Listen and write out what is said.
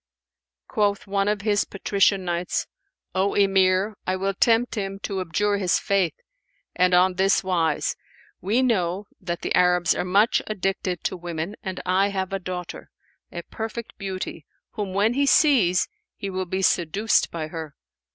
Quoth one of his Patrician Knights, "O Emir, I will tempt him to abjure his faith, and on this wise: we know that the Arabs are much addicted to women, and I have a daughter, a perfect beauty, whom when he sees, he will be seduced by her."